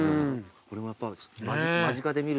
これもやっぱ。